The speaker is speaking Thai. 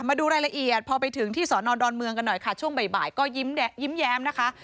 มาดูรายละเอียดพอไปถึงที่สอนอดอนเมืองกันหน่อยค่ะช่วงบ่ายก็ยิ้มแย้มนะคะ